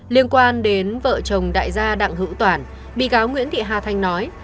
liên quan đến vợ chồng đại gia đặng hữu toàn bị cáo nguyễn thị hà thành nói